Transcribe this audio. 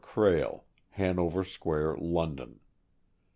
Krehl, Hanover Square, London.